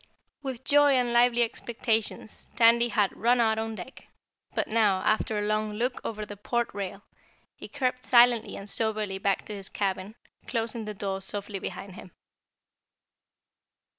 With joy and lively expectations Tandy had run out on deck, but now, after a long look over the port rail, he crept silently and soberly back to his cabin, closing the door softly behind him.